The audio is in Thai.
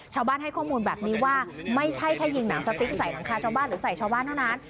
ชาวบ้านให้ข้อมูลแบบนี้ว่าไม่ใช่แค่ยิงหนังสติ๊กใส่หลังคาชาวบ้านหรือใส่ชาวบ้านเท่านั้น